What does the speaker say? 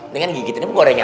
dengan gigit ini pun gorengan